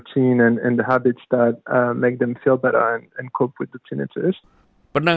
tinnitus semua orang berbeda